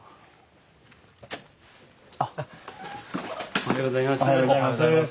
おはようございます。